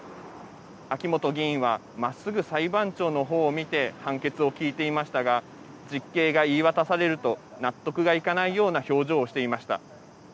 秋元議員はまっすぐ裁判長のほうを見て判決を聞いていましたが実刑が言い渡されると納得がいかないような表情をしていました。